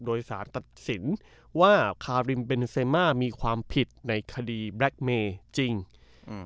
โดยสารตัดสินว่าคาริมเบนเซมามีความผิดในคดีแบล็คเมย์จริงอืม